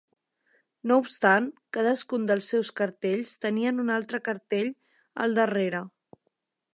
No obstant, cadascun dels seus cartells tenien un altre cartell al darrere.